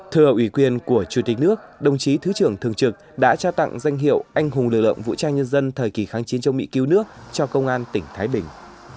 thưa ủy quyền của chủ tịch nước đồng chí thứ trưởng thường trực đã trao tặng danh hiệu anh hùng lực lượng vũ trang nhân dân thời kỳ kháng chiến trong mỹ cứu nước cho công an tỉnh thái bình